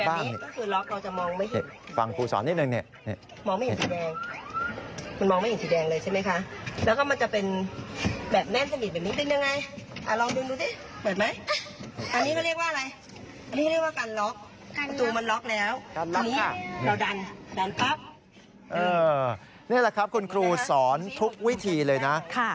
บางทีผู้ใหญ่อย่างเรา